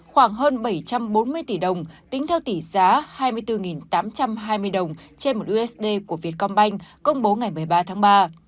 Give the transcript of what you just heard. khoảng hơn bảy trăm bốn mươi tỷ đồng tính theo tỷ giá hai mươi bốn tám trăm hai mươi đồng trên một usd của vietcombank công bố ngày một mươi ba tháng ba